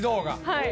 はい。